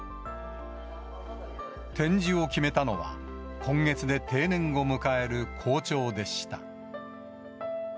展示を決めたのは、今月で定年を迎える校長でした。